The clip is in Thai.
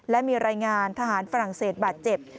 และมีรายงานทหารฝรั่งเศสบาดเจ็บ